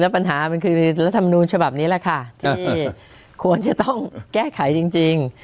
ปัญหามันคือรัฐมนูญฉบับนี้แหละค่ะที่ควรจะต้องแก้ไขจริง